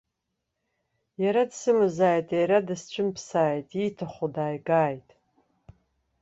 Иара дсымазааит, иара дысцәымԥсааит, ииҭаху дааигааит!